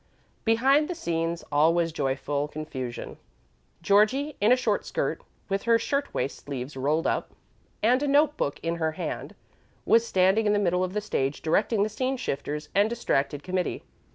Behind the scenes all was joyful confusion. Georgie, in a short skirt, with her shirt waist sleeves rolled up and a note book in her hand, was standing in the middle of the stage directing the scene shifters and distracted committee.